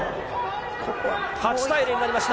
８対０になりました。